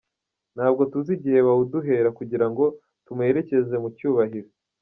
Ntabwo tuzi igihe bawuduhera kugira ngo tumuherekeze mu cyubahiro.